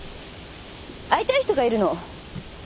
会いたい人がいるの。